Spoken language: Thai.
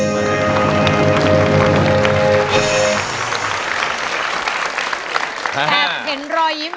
แล้วผมจะทุนกับรักษีค่ะ